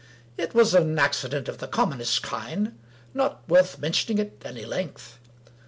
It was an acci dent of the commonest kind — ^not worth mentioning at any length.